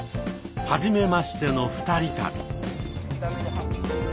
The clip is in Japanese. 「はじめましての二人旅」。